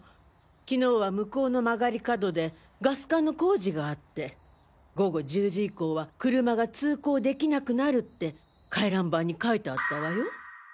昨日は向こうの曲がり角でガス管の工事があって午後１０時以降は車が通行できなくなるって回覧板に書いてあったわよ。